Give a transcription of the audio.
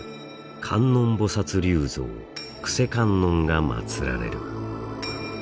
「観音菩薩立像救世観音」が祭られる。